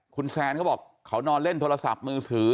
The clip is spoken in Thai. คุณแซนเขาบอกเขานอนเล่นโทรศัพท์มือถือ